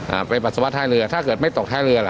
อ่าไปปัสสาวะท้ายเรือถ้าเกิดไม่ตกท้ายเรือล่ะ